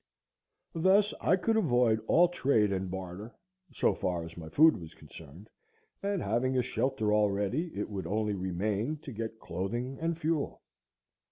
Thus I could avoid all trade and barter, so far as my food was concerned, and having a shelter already, it would only remain to get clothing and fuel.